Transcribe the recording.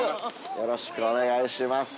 よろしくお願いします。